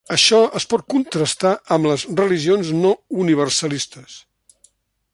Això es pot contrastar amb les religions no universalistes.